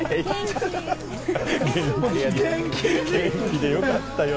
元気でよかったよね。